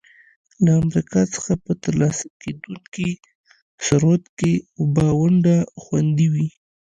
له امریکا څخه په ترلاسه کېدونکي ثروت کې به ونډه خوندي وي.